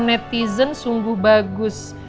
netizen sungguh bagus